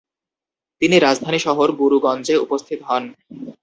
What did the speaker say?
তিনি রাজধানী শহর গুরুগঞ্জে উপস্থিত হন।